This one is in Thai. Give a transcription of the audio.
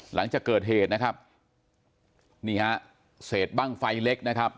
หลังจากเกิดเหตุนะครับนี่ฮะเศษบ้างไฟเล็กนะครับ